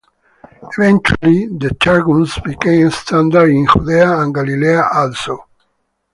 Eventually, the Targums became standard in Judaea and Galilee also.